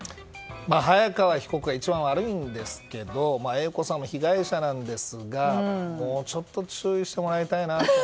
早川被告が一番悪いんですけどＡ子さんも被害者なんですがもうちょっと注意してもらいたいなと。